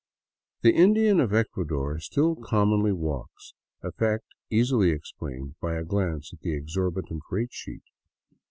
The Indian of Ecuador still commonly walks, a fact easily explained by a glance at the exorbitant rate sheet.